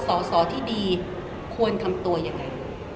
สอสอที่ดีควรทำตัวยังไง